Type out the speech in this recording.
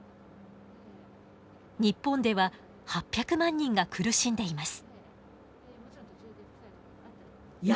日本では８００万人が苦しんでいます。